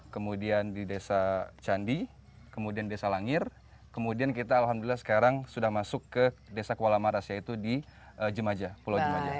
kemudian di desa candi kemudian desa langir kemudian kita alhamdulillah sekarang sudah masuk ke desa kuala maras yaitu di jemaja pulau jemaja